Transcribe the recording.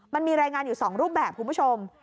มันมีรายงานอยู่๒รูปแบบคุณผู้ชม